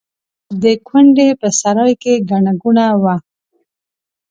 د کونډې په سرای کې ګڼه ګوڼه وه.